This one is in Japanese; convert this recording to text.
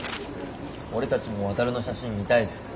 俺たちも航の写真見たいし。